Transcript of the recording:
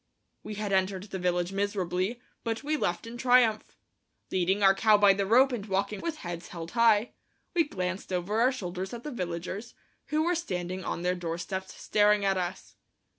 We had entered the village miserably, but we left in triumph. Leading our cow by the rope and walking with heads held high, we glanced over our shoulders at the villagers, who were standing on their doorsteps staring at us.